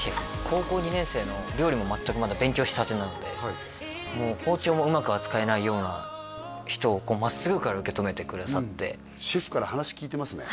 高校２年生の料理も全くまだ勉強したてなので包丁もうまく扱えないような人を真っすぐから受け止めてくださってシェフから話聞いてますね